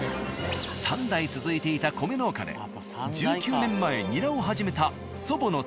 三代続いていた米農家で１９年前ニラを始めた祖母のツヤさん。